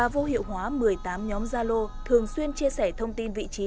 vô hiệu hóa một mươi tám nhóm gia lô thường xuyên chia sẻ thông tin vị trí